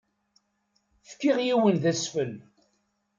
Fkiɣ yiwen d asfel.